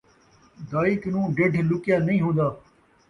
دائی کنوں ڈڈھ لُکیا نئیں ہون٘دا